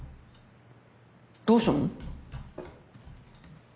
どうしたの？